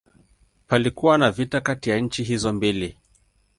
Palikuwa na vita kati ya nchi hizo mbili.